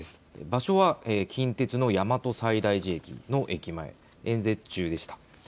場所は近鉄の大和西大寺駅の駅前、演説中でした。